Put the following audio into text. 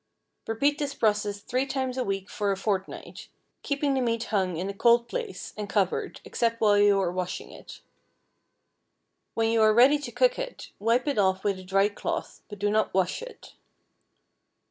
Repeat this process three times a week for a fortnight, keeping the meat hung in a cold place, and covered, except while you are washing it. When you are ready to cook it, wipe it off with a dry cloth, but do not wash it.